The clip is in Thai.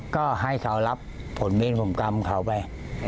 ก็ให้เขารับผลเวรผมกรรมเขาไป